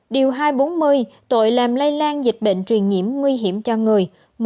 điều hai trăm bốn mươi tội làm lây lan dịch bệnh truyền nhiễm nguy hiểm cho người